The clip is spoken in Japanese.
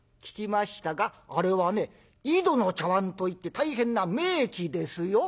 あれはね井戸の茶碗といって大変な名器ですよ。